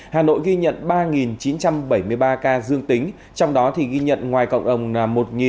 hà nội ghi nhận ba chín trăm bảy mươi ba ca dương tính trong đó ghi nhận ngoài cộng đồng một sáu trăm linh một ca